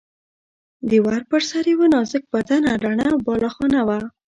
د ور پر سر یوه نازک بدنه رڼه بالاخانه وه.